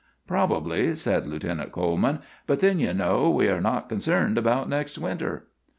"Probably," said Lieutenant Coleman; "but then, you know, we are not concerned about next winter."